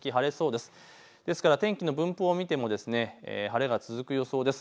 ですから天気の分布を見ても晴れが続く予想です。